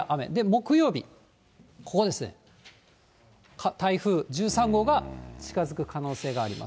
木曜日、ここですね、台風１３号が近づく可能性があります。